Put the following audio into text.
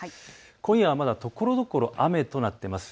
今夜はまだところどころ雨となっています。